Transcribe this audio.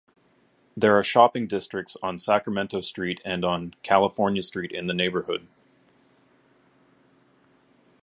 There are shopping districts on Sacramento Street and on California Street in the neighborhood.